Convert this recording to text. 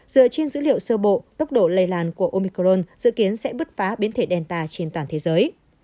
dựa trên dữ liệu sơ bộ tốc độ lây lan của omicron dự kiến sẽ bứt phá biến thể delta trên toàn thế giới